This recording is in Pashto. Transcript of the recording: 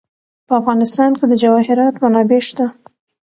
په افغانستان کې د جواهرات منابع شته.